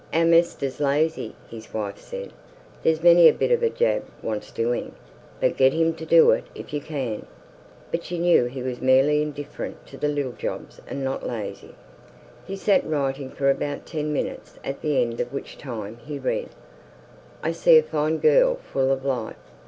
"Our mester's lazy," his wife said. "There's many a bit of a jab wants doin', but get him to do it if you can." But she knew he was merely indifferent to the little jobs, and not lazy. He sat writing for about ten minutes, at the end of which time, he read: "I see a fine girl full of life.